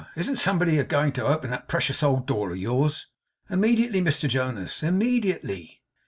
'Isn't somebody a going to open that precious old door of yours?' 'Immediately, Mr Jonas. Immediately.